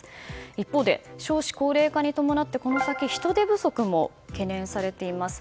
一方で、少子高齢化に伴いこの先、人手不足も懸念されています。